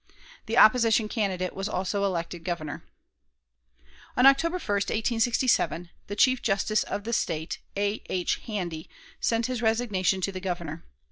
The opposition candidate was also elected Governor. On October 1, 1867, the Chief Justice of the State, A. H. Handy, sent his resignation to the Governor.